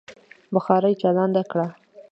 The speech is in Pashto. بخارۍ چالانده کړه.